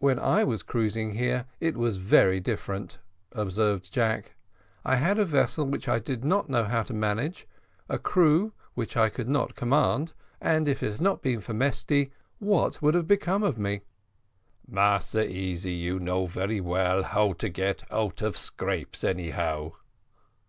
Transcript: "When I was cruising here it was very different," observed Jack; "I had a vessel which I did not know how to manage, a crew which I could not command, and had it not been for Mesty, what would have become of me?" "Massa Easy, you know very well how to get out of scrapes, anyhow."